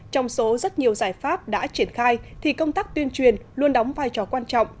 trong số rất nhiều giải pháp đã triển khai thì công tác tuyên truyền luôn đóng vai trò quan trọng